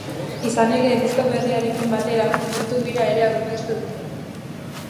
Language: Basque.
Izan ere, disko berriarekin batera, kontzertu-bira ere aurkeztu dute.